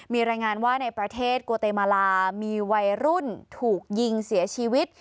มีรายงานว่าในประเทศโกเตมาลามีวัยรุ่นถูกยิงเสียชีวิต